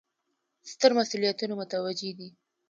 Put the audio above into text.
ستر مسوولیتونه متوجه دي.